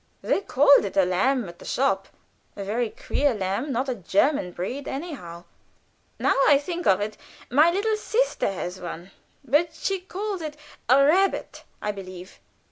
"They called it a lamb at the shop." "A very queer lamb; not a German breed, anyhow." "Now I think of it, my little sister has one, but she calls it a rabbit, I believe."